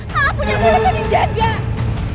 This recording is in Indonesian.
kalah punya mulut itu dijaga